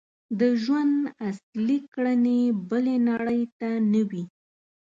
د ژوند اصلي کړنې بلې نړۍ ته نه وي.